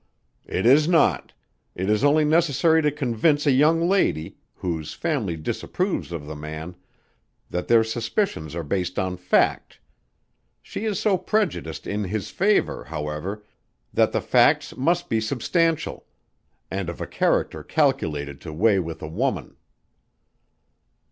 "It is not. It is only necessary to convince a young lady, whose family disapproves of the man, that their suspicions are based on fact. She is so prejudiced in his favor, however, that the facts must be substantial and of a character calculated to weigh with a woman."